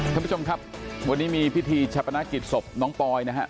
ท่านผู้ชมครับวันนี้มีพิธีชาปนกิจศพน้องปอยนะฮะ